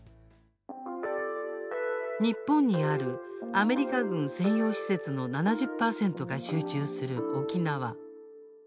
日本にあるアメリカ軍専用施設の７０％が集中する沖縄。